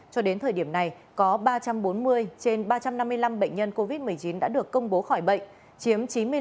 cho đến thời điểm này có ba trăm bốn mươi trên ba trăm năm mươi năm bệnh nhân covid một mươi chín đã được công bố khỏi bệnh chiếm chín mươi năm